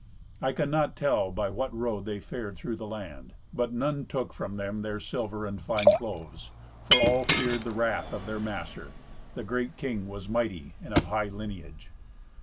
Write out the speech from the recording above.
I cannot tell by what road they fared through the land; but none took from them their silver and fine clothes, for all feared the wrath of their master: the great king was mighty and of high lineage.